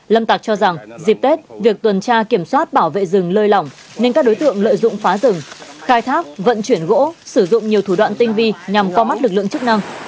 lâm tạc cho rằng dịp tết việc tuần tra kiểm soát bảo vệ rừng lơi lỏng nên các đối tượng lợi dụng phá rừng khai thác vận chuyển gỗ sử dụng nhiều thủ đoạn tinh vi nhằm qua mắt lực lượng chức năng